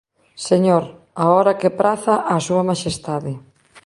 Señor, a hora que praza á súa maxestade.